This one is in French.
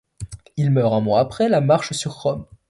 Il meurt un mois après la marche sur Rome.